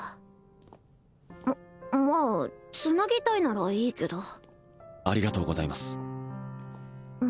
ままあつなぎたいならいいけどありがとうございます